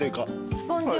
スポンジは？